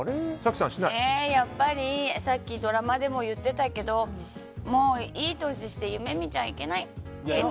やっぱりさっきドラマでも言ってたけどもういい年して夢見ちゃいけない。